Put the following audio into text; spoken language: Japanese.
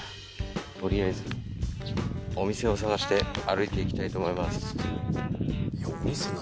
取りあえずお店を探して歩いて行きたいと思います。